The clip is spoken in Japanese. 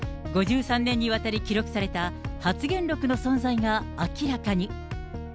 ５３年にわたり記録された発言録の存在が明らかに。